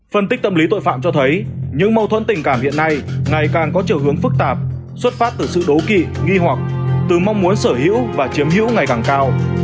phân tích tâm lý tội phạm cho thấy những mâu thuẫn tình cảm hiện nay ngày càng có chiều hướng phức tạp xuất phát từ sự đố kị nghi hoặc từ mong muốn sở hữu và chiếm hữu ngày càng cao